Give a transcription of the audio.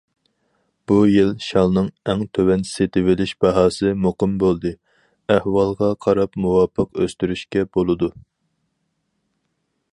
بۇ يىل شالنىڭ ئەڭ تۆۋەن سېتىۋېلىش باھاسى مۇقىم بولدى، ئەھۋالغا قاراپ مۇۋاپىق ئۆستۈرۈشكە بولىدۇ.